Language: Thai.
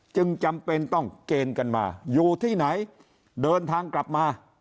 จึงจำเป็นต้องเกณฑ์กันมาอยู่ที่ไหนเดินทางกลับมา